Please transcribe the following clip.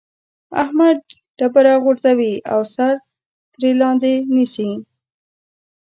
احمد ډبره غورځوي او سر ترې لاندې نيسي.